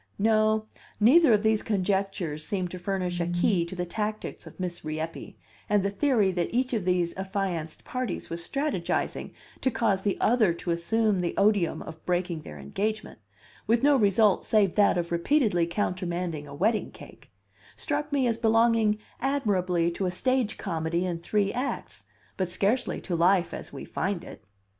No, neither of these conjectures seemed to furnish a key to the tactics of Miss Rieppe and the theory that each of these affianced parties was strategizing to cause the other to assume the odium of breaking their engagement, with no result save that of repeatedly countermanding a wedding cake, struck me as belonging admirably to a stage comedy in three acts, but scarcely to life as we find it.